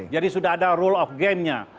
jadi sudah ada rule of gamenya